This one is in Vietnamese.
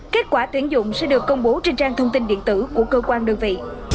kết quả tuyển dụng sẽ được công bố trên trang thông tin điện tử của cơ quan đơn vị